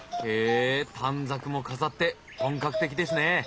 へえ短冊も飾って本格的ですね。